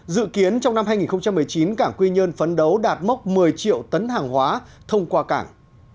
dự kiến trong năm hai nghìn một mươi chín cảng quy nhơn phấn đấu đạt mốc một mươi triệu tấn hàng hóa thông qua cảng